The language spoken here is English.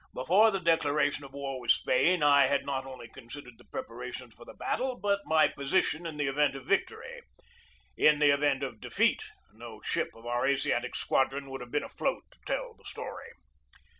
Before the declaration of war with Spain I had not only considered the preparations for the battle, but my position in the event of victory. (In the event of defeat no ship of our Asiatic Squadron would have been afloat to tell the story.)